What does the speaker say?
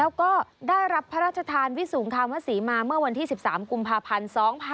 แล้วก็ได้รับพระราชทานวิสูงคามศรีมาเมื่อวันที่๑๓กุมภาพันธ์๒๕๖๒